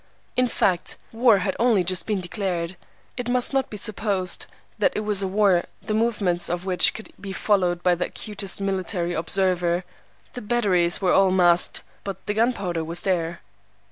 In fact, war had only just been declared. It must not be supposed that it was a war the movements of which could be followed by the acutest military observer; the batteries were all masked, but the gunpowder was there.